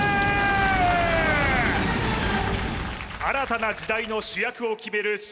新たな時代の主役を決める